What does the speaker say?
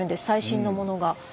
最新のものが。